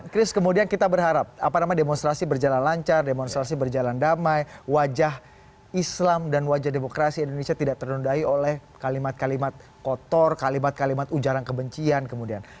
kris kemudian kita berharap demonstrasi berjalan lancar demonstrasi berjalan damai wajah islam dan wajah demokrasi indonesia tidak terdundai oleh kalimat kalimat kotor kalimat kalimat ujaran kebencian kemudian